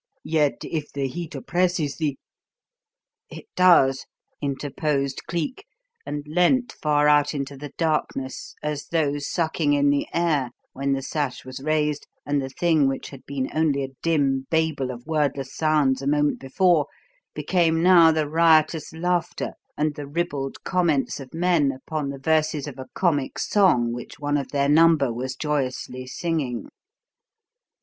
"Yet, if the heat oppresses thee " "It does," interposed Cleek, and leant far out into the darkness as though sucking in the air when the sash was raised and the thing which had been only a dim babel of wordless sounds a moment before, became now the riotous laughter and the ribald comments of men upon the verses of a comic song which one of their number was joyously singing.